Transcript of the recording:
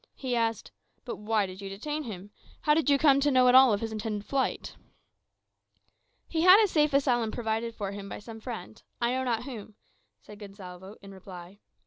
He asked, "But why did you detain him? How did you come to know at all of his intended flight?" "He had a safe asylum provided for him by some friend I know not whom," said Gonsalvo, in reply.